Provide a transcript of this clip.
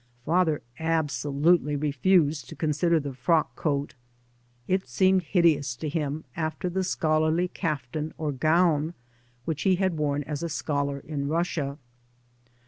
Father absolutely refused to consider the i^rock coat ; it seemed hideous to him after the scholarly kaftan or gown Which he had worn as a scholar in Russia.